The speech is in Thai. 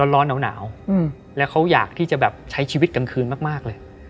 ร้อนหนาวแล้วเขาอยากที่จะแบบใช้ชีวิตกลางคืนมากเลย